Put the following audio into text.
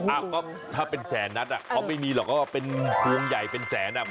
อ้าวก็ถ้าเป็นแสนนัดอ่ะเขาไม่มีหรอกว่าเป็นพวงใหญ่เป็นแสนอ่ะ